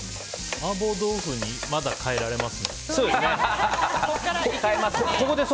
麻婆豆腐にまだ変えられます？